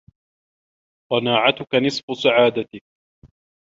قناعتك.. نصف سعادتك.